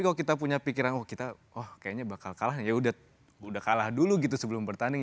kalau kita punya pikiran oh kita oh kayaknya bakal kalah ya udah kalah dulu gitu sebelum bertanding